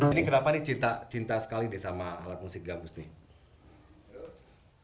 ini kenapa nih cinta sekali deh sama alat musik gambus nih